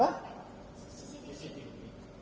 yang dari hasil cctv